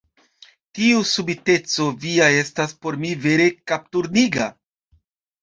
Tiu subiteco via estas por mi vere kapturniga.